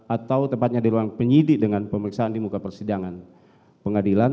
atau tepatnya di ruang penyidik dengan pemeriksaan di muka persidangan pengadilan